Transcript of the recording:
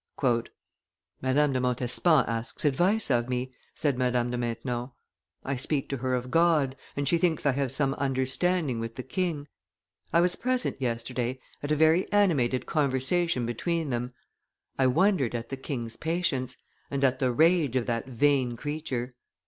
"Madame de Montespan asks advice of me," said Madame de Maintenon; "I speak to her of God, and she thinks I have some understanding with the king; I was present yesterday at a very animated conversation between them. I wondered at the king's patience, and at the rage of that vain creature.